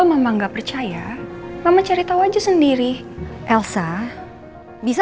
mamanya proses this